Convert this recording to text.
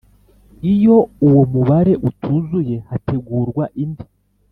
Iyo uwo mubare utuzuye hategurwa indi